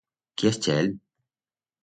Quiers chel?